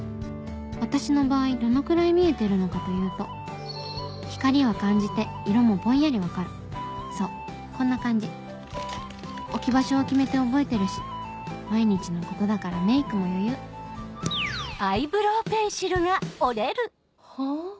私の場合どのくらい見えてるのかというと光は感じて色もぼんやり分かるそうこんな感じ置き場所を決めて覚えてるし毎日のことだからメイクも余裕はぁ？